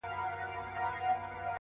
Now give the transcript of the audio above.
د کوټې کونج تل لږ زیات سکوت لري.!